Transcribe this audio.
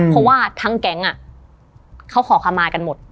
เพราะว่าทั้งแก๊งเขาขอคำมากันหมด